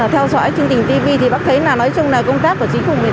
theo dõi chương trình tv thì bác thấy là nói chung là công tác của chính